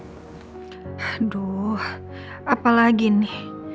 aduh apalagi nih